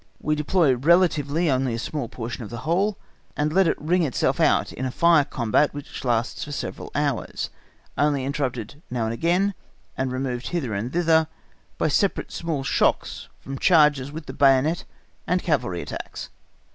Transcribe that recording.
We deploy relatively only a small portion of the whole, and let it wring itself out in a fire combat which lasts for several hours, only interrupted now and again, and removed hither and thither by separate small shocks from charges with the bayonet and cavalry attacks.